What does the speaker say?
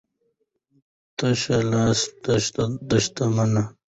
ـ تشه لاسه دښمنه.